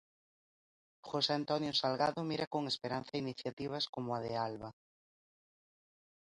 José Antonio Salgado mira con esperanza iniciativas como a de Alba.